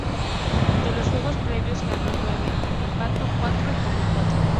De los juegos previos ganó nueve, empató cuatro y perdió cuatro.